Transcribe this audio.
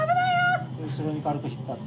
後ろに軽く引っ張って。